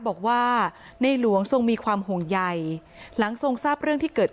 บอกว่าในหลวงทรงมีความห่วงใยหลังทรงทราบเรื่องที่เกิดขึ้น